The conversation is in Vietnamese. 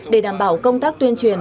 để đảm bảo công tác tuyên truyền